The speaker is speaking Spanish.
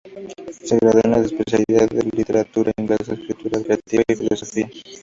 Se graduó en la especialidad de literatura inglesa, escritura creativa, y filosofía.